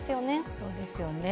そうですよね。